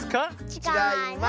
ちがいます。